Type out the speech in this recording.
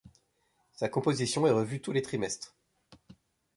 Sa composition est revue tous les trimestres.